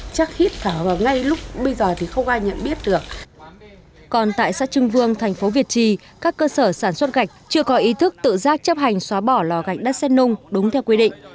còn tại xã trưng vương thành phố việt trì các cơ sở sản xuất gạch chưa có ý thức tự giác chấp hành xóa bỏ lò gạch đất xét nung đúng theo quy định